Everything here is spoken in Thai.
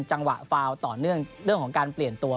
จังหวะฟาวต่อเนื่องเรื่องของการเปลี่ยนตัว